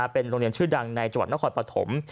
เป็นโรงเรียนชื่อดังในจังหวัดนครปฐม